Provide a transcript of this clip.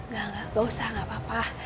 gak usah nggak apa apa